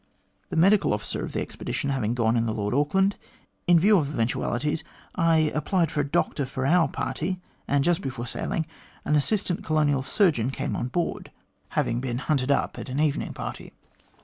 "The medical officer of the expedition having gone in the Lord Auckland, in view of eventualities I applied for a doctor for our party, and just before sailing, an assistant colonial surgeon came on board, having been hunted up at an evening 182 THE GLADSTONE COLONY party.